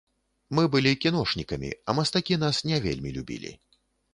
Мы былі кіношнікамі, а мастакі нас не вельмі любілі.